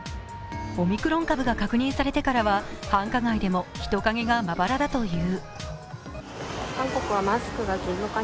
オミクロン株が確認されてからは繁華街でも人影がまばらだという。